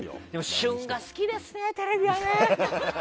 旬が好きですね、テレビは。